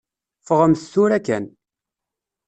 Ffɣemt tura kan.